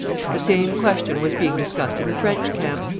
The same question was being discussed in the French camp.